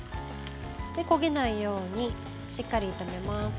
焦げないようにしっかり炒めます。